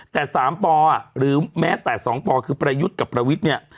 แต่๓ปหรือแม้แต่๒ปคือประยุทธ์กับประวิทย์เนี่ย